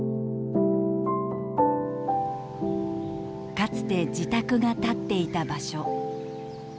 かつて自宅が建っていた場所。